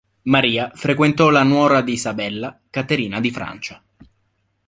Maria frequentò la nuora di Isabella, Caterina di Francia.